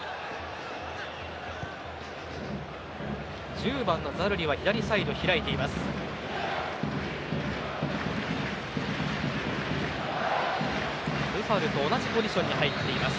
１０番、ザルリは左サイドに開いています。